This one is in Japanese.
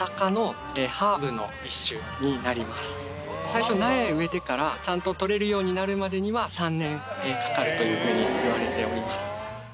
最初苗を植えてからちゃんととれるようになるまでには３年かかるというふうにいわれております。